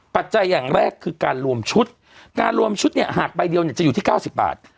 ปัจจัยอย่างแรกคือการรวมชุดการรวมชุดเนี่ยหากใบเดียวเนี่ยจะอยู่ที่๙๐บาท